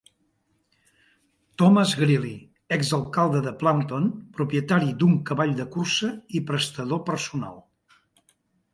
Thomas Grealy - Exalcalde de Plumpton, propietari d'un cavall de cursa i prestador personal.